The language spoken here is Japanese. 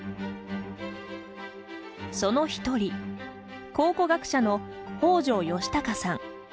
その一人考古学者の北條芳隆さん。